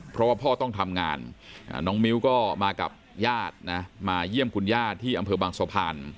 เพราะว่าพ่อต้องทำงานน้องมิ้วก็มากับญาตินะมาเยี่ยมคุณย่าที่อำเภอบางสะพาน